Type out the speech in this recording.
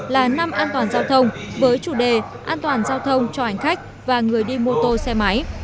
là năm an toàn giao thông với chủ đề an toàn giao thông cho hành khách và người đi mô tô xe máy